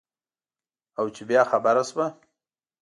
او چې بیا خبره شوه.